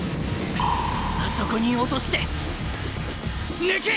あそこに落として抜く！